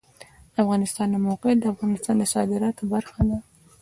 د افغانستان د موقعیت د افغانستان د صادراتو برخه ده.